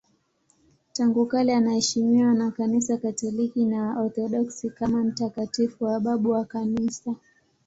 Tangu kale anaheshimiwa na Kanisa Katoliki na Waorthodoksi kama mtakatifu na babu wa Kanisa.